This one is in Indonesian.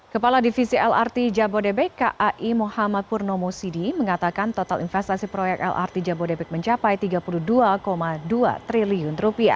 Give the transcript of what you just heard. kepala divisi lrt jabodebek kai muhammad purnomo sidi mengatakan total investasi proyek lrt jabodebek mencapai rp tiga puluh dua dua triliun